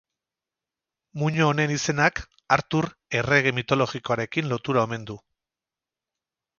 Muino honen izenak Artur errege mitologikoarekin lotura omen du.